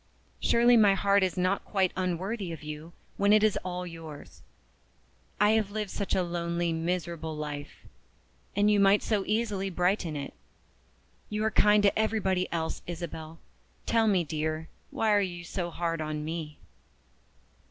Surely my heart is not quite unworthy of you, when it is all yours. I have lived such a lonely, miserable life and you might so easily brighten it. You are kind to everybody else, Isabel. Tell me, dear, why are you so hard on _me?